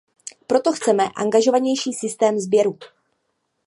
Proto chceme angažovanější systém sběru.